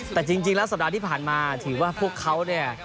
แต่จริงแล้วสัปดาห์ที่ผ่านมาถือว่าพวกเขาเนี่ย